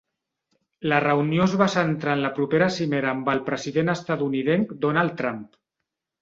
La reunió es va centrar en la propera cimera amb el president estatunidenc Donald Trump.